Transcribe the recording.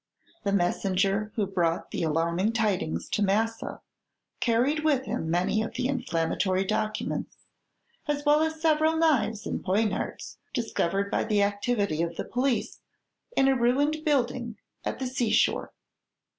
The messenger who brought the alarming tidings to Massa carried with him many of the inflammatory documents, as well as several knives and poniards, discovered by the activity of the police in a ruined building at the sea shore.